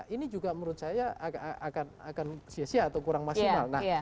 ini juga menurut saya akan sia sia atau kurang maksimal